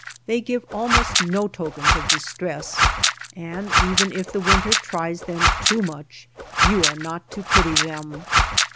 They give almost no tokens of distress, and even if the winter tries them too much you are ! not to pity them.